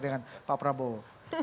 dengan pak prabowo